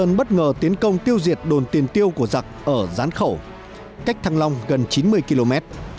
nhưng bất ngờ tiến công tiêu diệt đồn tiền tiêu của giặc ở gián khẩu cách thăng long gần chín mươi km